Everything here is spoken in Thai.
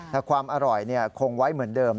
แต่ความอร่อยคงไว้เหมือนเดิม